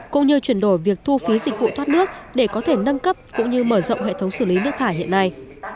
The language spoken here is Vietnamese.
cũng như chuyển đổi việc thu phí dịch vụ thoát nước để có thể nâng cấp cũng như mở rộng hệ thống xử lý nước thải hiện nay